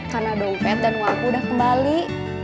karena dompet dan wangku udah kembali